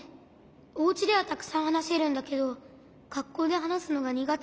おうちではたくさんはなせるんだけどがっこうではなすのがにがてなの。